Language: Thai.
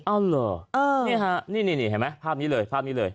อ้าวเหรอนี่ค่ะนี่เห็นไหมภาพนี้เลย